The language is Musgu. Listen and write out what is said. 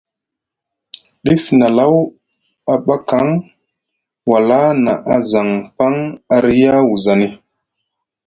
Dif nʼAlaw a ɓakaŋ, wala nʼa zaŋ paŋ a riya wuzani.